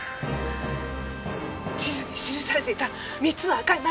地図に記されていた３つの赤い丸印。